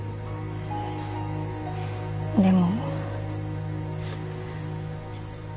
でも。